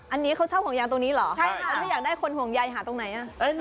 อันนี้เขาเช่าห่วงยางหรอถ้าอยากถ้าให้คนห่วงใยหาตรงไหน